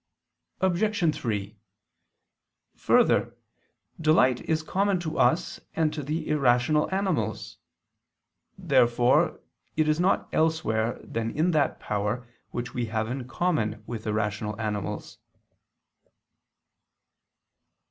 Obj. 3: Further, delight is common to us and to the irrational animals. Therefore it is not elsewhere than in that power which we have in common with irrational animals.